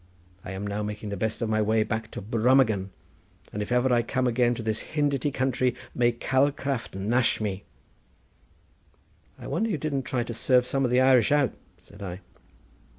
I am now making the best of my way back to Brummagem, and if ever I come again to this Hindity country may Calcraft nash me." "I wonder you didn't try to serve some of the Irish out," said I.